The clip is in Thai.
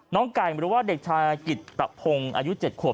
น้องไก่ไม่รู้ว่าเด็กชายกิจตะพงอายุ๗ขวบ